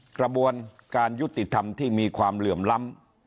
กระบวนการยุติธรรมที่มีความเหลื่อมล้ำ